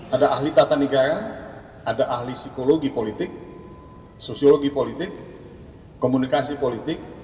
ada ahli tata negara ada ahli psikologi politik sosiologi politik komunikasi politik